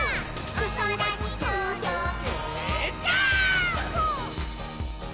「おそらにとどけジャンプ！！」